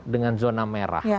dengan zona merah